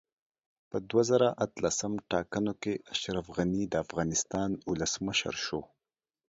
په دوه زره اتلسم ټاکنو کې اشرف غني دا افغانستان اولسمشر شو